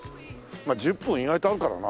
まあ１０分意外とあるからな。